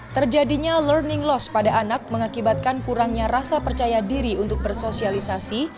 terjadinya learning loss pada anak mengakibatkan kurangnya rasa percaya diri untuk bersosialisasi